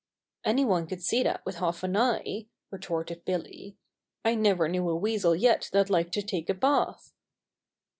"Anyone could see that with half an eye," retorted Billy. "I never knew a Weasel yet that liked to take a bath."